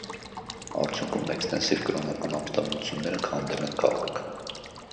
Արդյունքում էքստենսիվ կրոնական ապստամբությունները քանդել են քաղաքը։